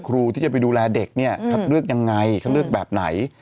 ครูที่จะไปดูแลเด็กเนี่ยคัดเลือกยังไงคัดเลือกแบบไหน